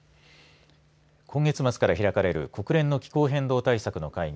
今月末から開かれる国連の気候変動対策の会議